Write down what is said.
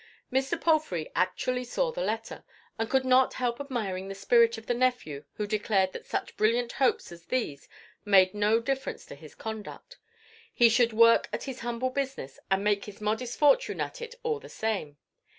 Mr. Palfrey actually saw the letter, and could not help admiring the spirit of the nephew who declared that such brilliant hopes as these made no difference to his conduct; he should work at his humble business and make his modest fortune at it all the same.